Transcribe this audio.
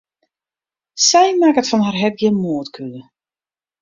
Sy makket fan har hert gjin moardkûle.